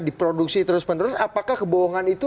diproduksi terus menerus apakah kebohongan itu